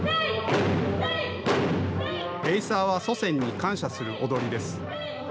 エイサーは祖先に感謝する踊りです。